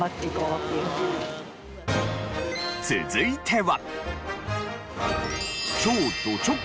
続いては。